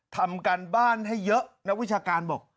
ทำการบ้านให้เยอะนักวิชาการบอก